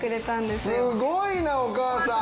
すごいなお母さん！